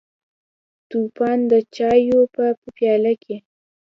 توپان د چایو په پیاله کې: